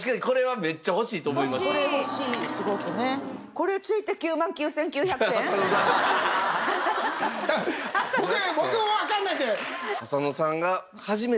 これ僕もわかんないんで。